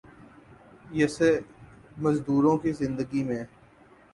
یسے مزدوروں کی زندگی میں